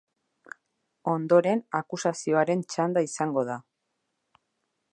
Ondoren akusazioaren txanda izango da.